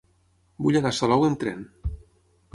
Vull anar a Salou amb tren.